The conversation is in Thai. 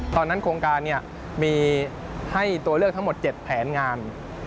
โครงการมีให้ตัวเลือกทั้งหมด๗แผนงาน